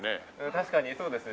確かにそうですね。